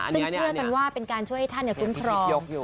ซึ่งเชื่อกันว่าเป็นการช่วยให้ท่านคุ้มครอง